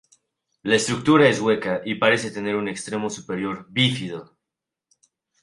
La estructura es hueca y parece tener un extremo superior bífido.